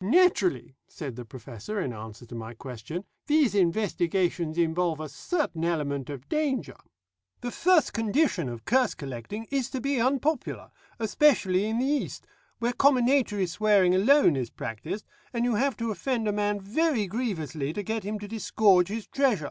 "Naturally," said the Professor in answer to my question, "these investigations involve a certain element of danger. The first condition of curse collecting is to be unpopular, especially in the East, where comminatory swearing alone is practised, and you have to offend a man very grievously to get him to disgorge his treasure.